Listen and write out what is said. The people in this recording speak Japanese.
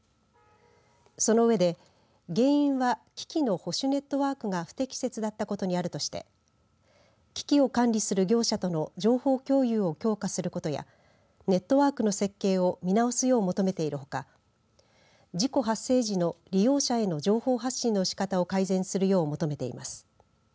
その上で原因は機器の保守ネットワークが不適切だったことにあるとして機器を管理する業者との情報共有を強化することやネットワークの設計を見直すよう求めているほか事故発生時の利用者への情報発信のしかたを改善するよう求めています。